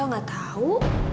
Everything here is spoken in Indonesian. kau nggak tahu